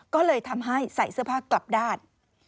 ก็เลยทำให้ใส่เสื้อผ้ากลับด้าน